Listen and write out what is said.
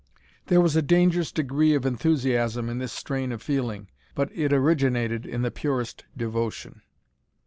There was a dangerous degree of enthusiasm in this strain of feeling, but it originated in the purest devotion.